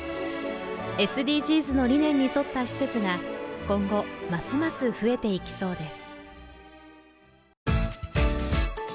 ＳＤＧｓの理念に沿った施設が今後ますます増えていきそうです。